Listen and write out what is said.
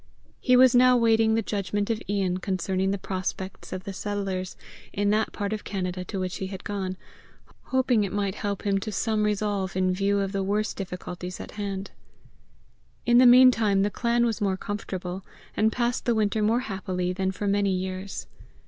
He was now waiting the judgment of Ian concerning the prospects of the settlers in that part of Canada to which he had gone, hoping it might help him to some resolve in view of the worse difficulties at hand. In the meantime the clan was more comfortable, and passed the winter more happily, than for many years.